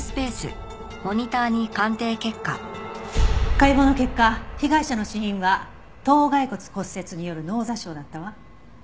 解剖の結果被害者の死因は頭蓋骨骨折による脳挫傷だったわ。